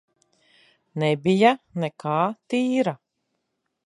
Nebija nekā tīra.